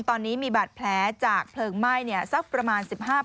ตอนนี้มีบาดแผลจากเพลิงไหม้สักประมาณ๑๕ปี